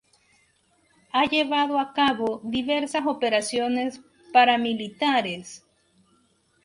Ha llevado a cabo diversas operaciones paramilitares.